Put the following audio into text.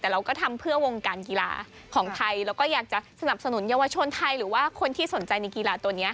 แต่เราก็ทำเพื่อวงการกีฬาของไทยแล้วก็อยากจะสนับสนุนเยาวชนไทยหรือว่าคนที่สนใจในกีฬาตัวนี้